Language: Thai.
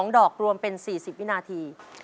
๒ดอกรวมเป็น๔๐วินาที